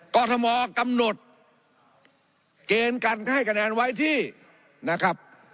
กรทมกำหนดเกณฑ์การให้คะแนนไว้ที่นะครับ